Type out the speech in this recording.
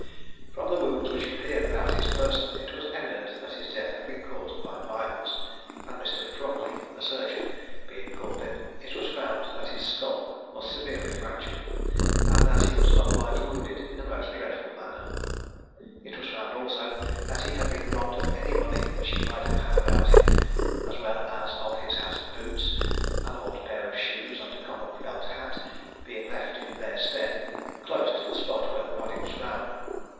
From the wounds which appeared about his person, it was evident that his death had been caused by violence, and Mr. Frogley, a surgeon, being called in, it was found that his skull was severely fractured, and that he was otherwise wounded in a most dreadful manner. It was found also that he had been robbed of any money which he might have had about him, as well as of his hat and boots: an old pair of shoes and a common felt hat being left in their stead, close to the spot where the body was found.